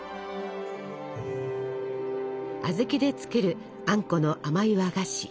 小豆で作るあんこの甘い和菓子。